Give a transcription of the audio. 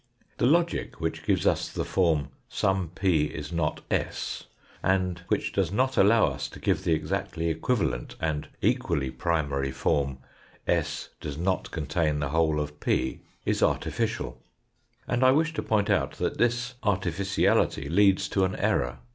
The logic which gives us the form, " some p is not s," and which does not allow us to give the exactly equivalent and equally primary form, " S does not con tain the whole of P," is artificial. And I wish to point out that this artificiality leads to an error.